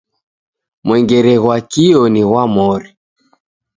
Mwengere ghwa kio ni ghwa mori.